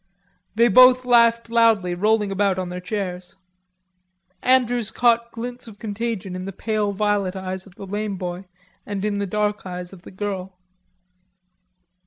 They both laughed loudly rolling about on their chairs. Andrews caught glints of contagion in the pale violet eyes of the lame boy and in the dark eyes of the girl.